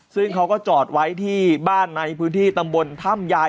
ซึ่งเขาก็จอดไว้ที่บ้านในพื้นที่ตำบลถ้ำยาย